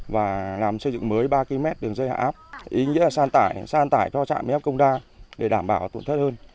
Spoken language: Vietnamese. và làm xây dựng mới ba km đường dây hạ áp ý nghĩa là sàn tải cho trạm biến áp công đa để đảm bảo tổn thất hơn